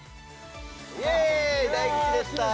イエーイ大吉でしたうわ